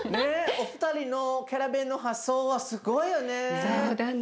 お二人のキャラベンの発想はすごいよね。